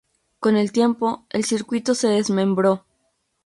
Con el tiempo, el circuito se desmembró.